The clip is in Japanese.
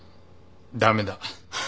駄目だ。